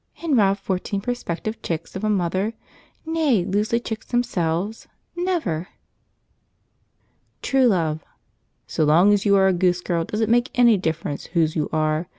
"And rob fourteen prospective chicks of a mother; nay, lose the chicks themselves? Never!" True Love. "So long as you are a Goose Girl, does it make any difference whose you are?